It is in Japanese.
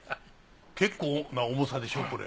結構な重さでしょこれ。